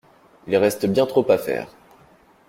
Il reste bien trop à faire.